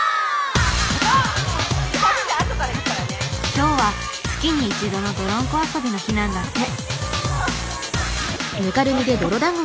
今日は月に一度のどろんこ遊びの日なんだって。